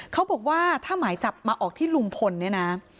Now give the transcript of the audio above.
เขาบอกว่าถ้าหมายจับมาออกที่ลุงพลเนี่ยนะ